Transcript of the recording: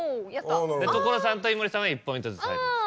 所さんと井森さんは１ポイントずつ入ります。